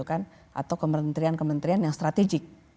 atau kementerian kementerian yang strategik